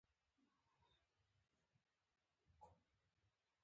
بېنډۍ د خلکو د خوړو عادت دی